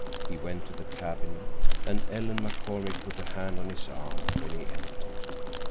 He went to the cabin, and Ellen McCormick put a hand on his arm when he entered.